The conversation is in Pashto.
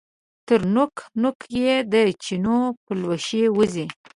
تر نوک، نوک یې د چینو پلوشې وځي